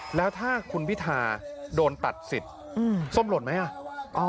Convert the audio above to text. คำถามคือที่พี่น้ำแขงเล่าเรื่องถือหุ้นเสือไอทีวี